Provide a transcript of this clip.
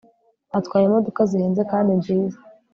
atwaye imodoka zihenze kandi nziza